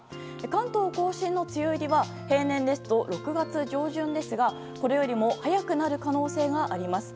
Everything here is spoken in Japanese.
関東・甲信の梅雨入りは平年ですと６月上旬ですがこれよりも早くなる可能性があります。